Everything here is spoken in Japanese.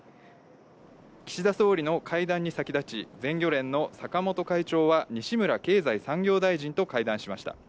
岸田総理の会談に先立ち、全漁連の坂本会長は、西村経済産業大臣と会談しました。